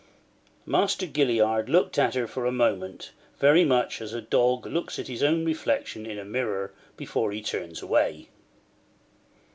Master Gilliard looked at her for a moment, very much as a dog looks at his own reflection in a mirror before he turns away.